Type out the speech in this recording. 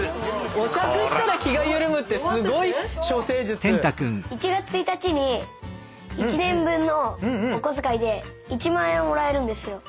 お酌したら気が緩むって１月１日に１年分のお小遣いで１万円をもらえるんですよ。